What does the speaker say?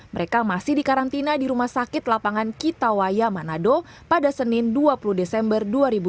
mereka masih dikarantina di rumah sakit lapangan kitawaya manado pada senin dua puluh desember dua ribu dua puluh